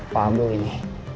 pak abul ini